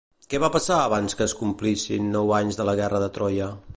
Què va passar abans que es complissin nou anys de la guerra de Troia?